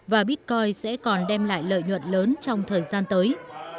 và bitcoin sẽ còn đem lại lợi nhuận lớn trong thời gian tới